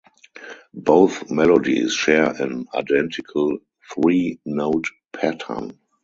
Both melodies share an identical three note pattern.